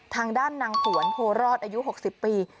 ทางด้านนางผวนโพรอดอายุ๖๐ปี